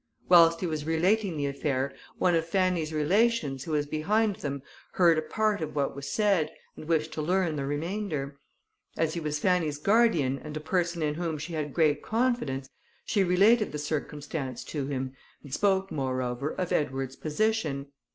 Whilst he was relating the affair, one of Fanny's relations, who was behind them, heard a part of what was said, and wished to learn the remainder. As he was Fanny's guardian, and a person in whom she had great confidence, she related the circumstance to him, and spoke, moreover, of Edward's position.